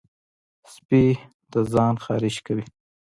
سپي د ځان خارش کوي.